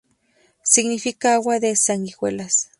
Significa agua de sanguijuelas".